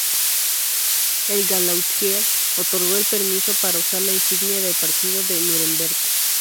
El "Gauleiter" otorgó el permiso para usar la insignia del Partido de Núremberg.